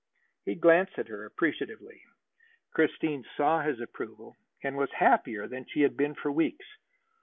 He glanced at her appreciatively. Christine saw his approval, and was happier than she had been for weeks.